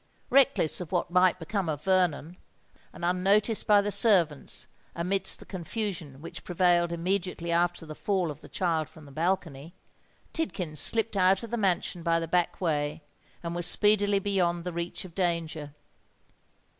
Reckless of what might become of Vernon, and unnoticed by the servants amidst the confusion which prevailed immediately after the fall of the child from the balcony, Tidkins slipped out of the mansion by the back way, and was speedily beyond the reach of danger.